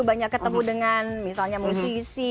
banyak ketemu dengan misalnya musisi